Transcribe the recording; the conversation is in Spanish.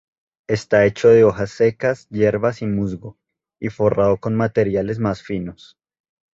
Está hecho de hojas secas, hierbas y musgo, y forrado con materiales más finos.